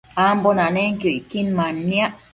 ambo nanenquio icquin manniac